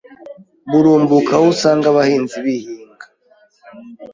burumbuka aho usanga abahinzi bihinga.